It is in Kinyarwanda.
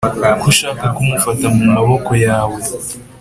ko ushaka kumufata mu maboko yawe,